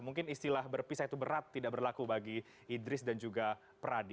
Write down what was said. mungkin istilah berpisah itu berat tidak berlaku bagi idris dan juga pradi